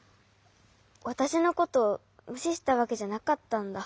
わたしのことむししたわけじゃなかったんだ。